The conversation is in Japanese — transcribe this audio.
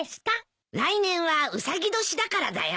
来年はうさぎ年だからだよ。